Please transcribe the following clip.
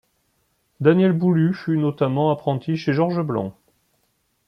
Daniel Boulud fut notamment apprenti chez Georges Blanc.